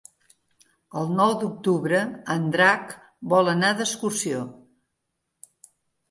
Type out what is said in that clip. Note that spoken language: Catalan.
El nou d'octubre en Drac vol anar d'excursió.